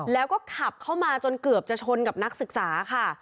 แล้วก็ขับเข้ามาจนเกือบจะชนกับนักศึกษาค่ะ